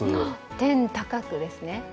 天高くですね。